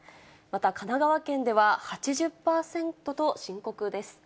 また、神奈川県では８０％と深刻です。